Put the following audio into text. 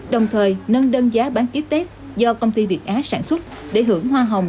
đồng thời nâng đơn giá bán ký test do công ty việt á sản xuất để hưởng hoa hồng